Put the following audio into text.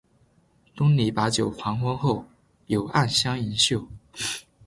东篱把酒黄昏后，有暗香盈袖